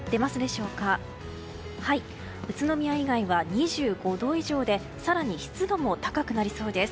宇都宮以外は２５度以上で更に湿度も高くなりそうです。